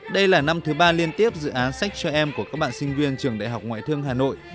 đây là năm thứ ba liên tiếp dự án sách cho em của các bạn sinh viên trường đại học ngoại thương hà nội